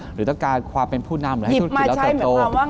หรือต้องการความเป็นผู้นำหรือให้ธุรกิจเราเติบโต